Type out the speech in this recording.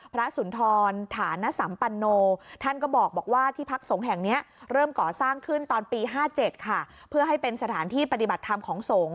พระสุนทรฐานสัมปันนโต